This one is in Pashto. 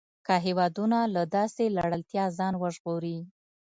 که هېوادونه له داسې تړلتیا ځان وژغوري.